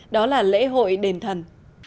đó là lễ hội đền thần